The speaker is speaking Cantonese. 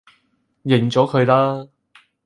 認咗佢啦